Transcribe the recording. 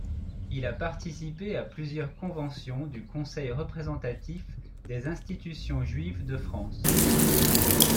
Il a participé à plusieurs conventions du Conseil représentatif des institutions juives de France.